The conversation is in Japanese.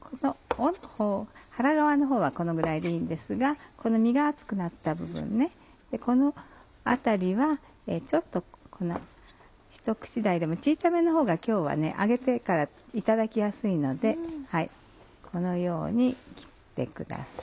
腹側のほうはこのぐらいでいいんですがこの身が厚くなった部分ねこの辺りはちょっとひと口大でも小さめのほうが今日は揚げてからいただきやすいのでこのように切ってください。